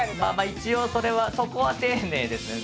一応それはそこは丁寧ですね。